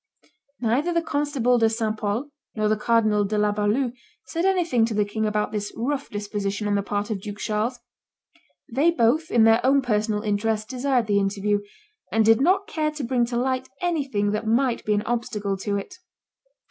Neither the constable De St. Pol nor the cardinal De la Balue said anything to the king about this rough disposition on the part of Duke Charles; they both in their own personal interest desired the interview, and did not care to bring to light anything that might be an obstacle to it.